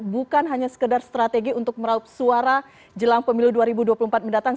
bukan hanya sekedar strategi untuk meraup suara jelang pemilu dua ribu dua puluh empat mendatang